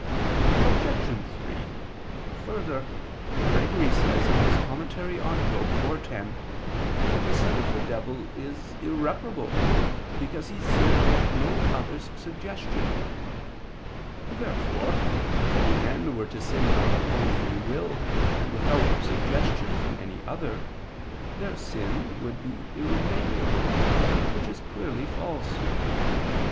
Obj. 3: Further, Gregory says (Moral. iv, 10) the sin of the devil is irreparable, because he sinned at no other's suggestion. Therefore, if any men were to sin of their own free will and without suggestion from any other, their sin would be irremediable: which is clearly false.